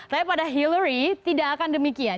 tapi pada hillary tidak akan demikian